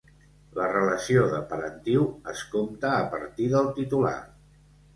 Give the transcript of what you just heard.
La relació de parentiu es compta a partir del titular.